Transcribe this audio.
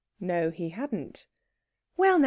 No, he hadn't. "Well, now!